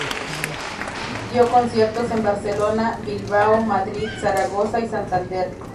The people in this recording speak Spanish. Dio conciertos en Barcelona, Bilbao, Madrid, Zaragoza y Santander.